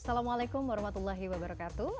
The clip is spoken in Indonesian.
assalamualaikum warahmatullahi wabarakatuh